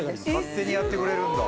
勝手にやってくれるんだ。